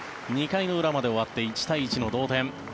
２回の裏まで終わって１対１の同点。